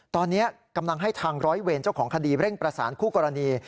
ตอนนี้กำลังให้ทางร้อยเวรเจ้าของคดีเร่งประสานคู่กรณี